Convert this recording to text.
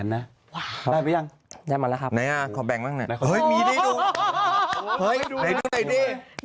เฮ้ยให้ดูดิ